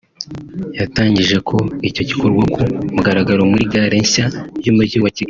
yatangije ko icyo gikorwa ku mugaragaro muri gare nshya y’Umujyi wa Kigali